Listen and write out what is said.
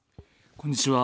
こんにちは。